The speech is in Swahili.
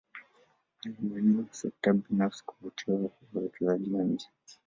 Alinyanyua sekta binafsi kuvutia wawekezaji wa nje